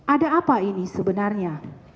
ada apa ini sebenarnya